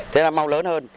thế là mau lớn hơn